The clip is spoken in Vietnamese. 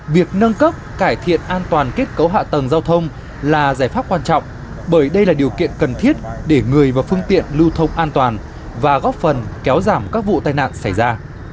việc nâng cấp cải thiện an toàn kết cấu hạ tầng giao thông là giải pháp quan trọng bởi đây là điều kiện cần thiết để người và phương tiện lưu thông an toàn và góp phần kéo giảm các vụ tai nạn xảy ra